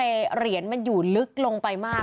แต่เหรียญมันอยู่ลึกลงไปมาก